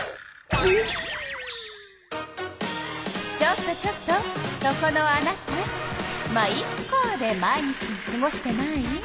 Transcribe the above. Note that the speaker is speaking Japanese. ちょっとちょっとそこのあなた「ま、イッカ」で毎日をすごしてない？